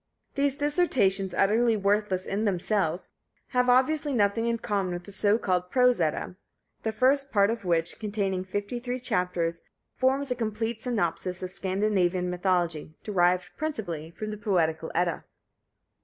These dissertations, utterly worthless in themselves, have obviously nothing in common with the so called "Prose Edda," the first part of which, containing fifty three chapters, forms a complete synopsis of Scandinavian mythology, derived principally from the Poetical Edda.